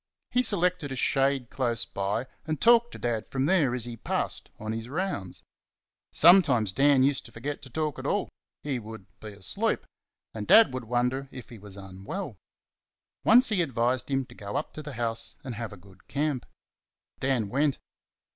He selected a shade close by, and talked to Dad from there as he passed on his rounds. Sometimes Dan used to forget to talk at all he would be asleep and Dad would wonder if he was unwell. Once he advised him to go up to the house and have a good camp. Dan went.